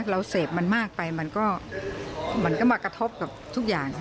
เราเสพมันมากไปมันก็มากระทบกับทุกอย่าง